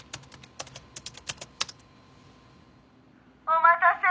「お待たせ。